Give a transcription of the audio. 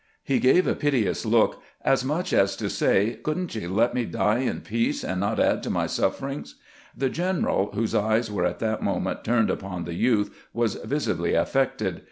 He gave a piteous look, as much as to say, " Could n't you let me die in peace and not add to my sufferings ?" The general, whose eyes were at that moment turned upon the youth, was visi bly affected.